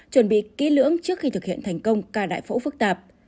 chuẩn bị kỹ lưỡng trước khi thực hiện thành công ca đại phẫu phức tạp